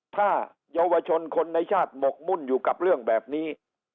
ถ้าเยาวชนคนในชาติหมกมุ่นอยู่กับเรื่องแบบนี้